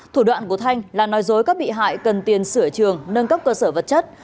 thủ đoạn của thanh là nói dối các bị hại cần tiền sửa trường nâng cấp cơ sở vật chất